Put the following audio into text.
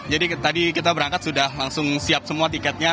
jadi tadi kita berangkat sudah langsung siap semua tiketnya